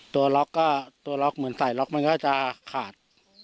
ล็อกก็ตัวล็อกเหมือนใส่ล็อกมันก็จะขาด